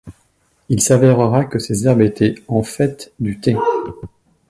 Il s’avérera que ces herbes étaient en fait du thé.